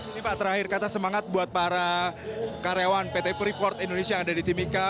ini pak terakhir kata semangat buat para karyawan pt freeport indonesia yang ada di timika